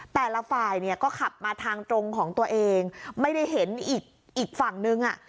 แต่ละฝ่ายเนี่ยก็ขับมาทางตรงของตัวเองไม่ได้เห็นอีกอีกฝั่งนึงอ่ะ